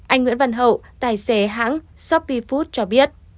anh nguyễn văn hậu tài xế hãng shopee food cho biết